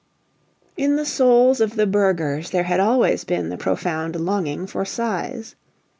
In the souls of the burghers there had always been the profound longing for size.